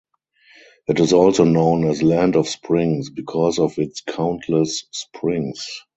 It is also known as land of springs because of its countless springs.